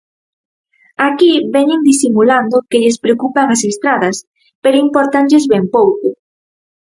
Aquí veñen disimulando que lles preocupan as estradas, pero impórtanlles ben pouco.